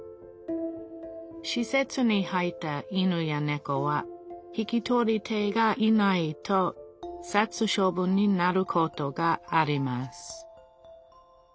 しせつに入った犬やねこは引き取り手がいないと殺処分になることがあります。